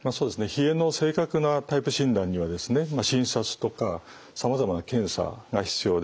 冷えの正確なタイプ診断にはですね診察とかさまざまな検査が必要です。